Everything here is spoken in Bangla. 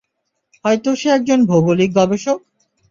হয়তো সে একজন ভৌগলিক গবেষক!